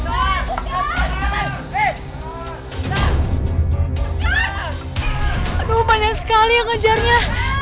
aduh banyak sekali ya ngejarnya